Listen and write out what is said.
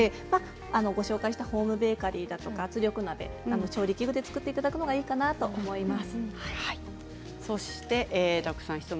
ご紹介したホームベーカリーや圧力鍋などの調理器具で造っていただくのがいいかなと思います。